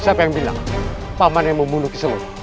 siapa yang bilang paman yang membunuh keseluruhna